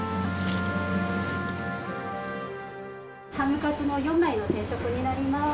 ハムカツの４枚の定食になります。